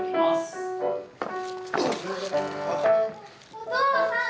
お父さん！